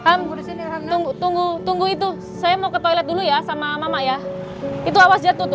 kamu disini tunggu tunggu itu saya mau ke toilet dulu ya sama mama ya itu awas jatuh